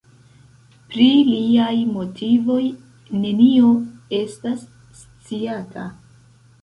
Pri liaj motivoj nenio estas sciata.